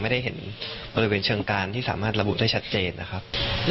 ได้เห็นบริเวณเชิงการที่สามารถระบุได้ชัดเจนนะครับ